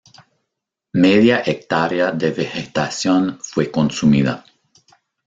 Media hectárea de vegetación fue consumida.